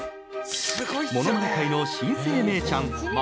ものまね界の新星メイちゃんま